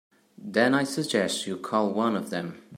Then I suggest you call one of them.